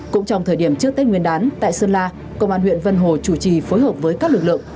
cũng trong thời điểm trước tết nguyên đán tại sơn la công an huyện vân hồ chủ trì phối hợp với các lực lượng